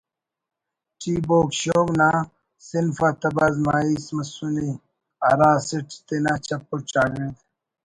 T Bogue شوگ نا صنف آ طبع آزمائی مسنے ہر اسٹ تینا چپ و چاگڑد